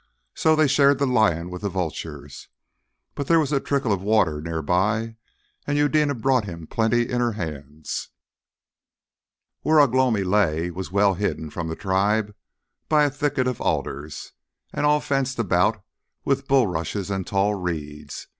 So they shared the lion with the vultures. But there was a trickle of water near by, and Eudena brought him plenty in her hands. Where Ugh lomi lay was well hidden from the tribe by a thicket of alders, and all fenced about with bulrushes and tall reeds.